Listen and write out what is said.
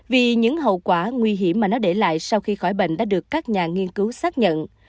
vì những hậu quả nguy hiểm mà nó để lại sau khi khỏi bệnh đã được các nhà nghiên cứu xác nhận